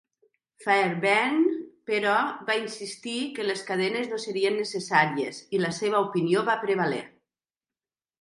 Fairbairn, però, va insistir que les cadenes no serien necessàries i la seva opinió va prevaler.